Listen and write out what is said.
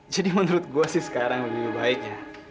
jadi menurut gua sih sekarang lebih baiknya